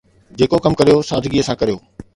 جيڪو ڪم ڪريو، سادگيءَ سان ڪريو.